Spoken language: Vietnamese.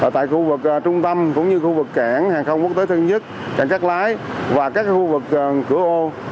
tại khu vực trung tâm cũng như khu vực cảng hàng không quốc tế thân nhất cảng cát lái và các khu vực cửa ô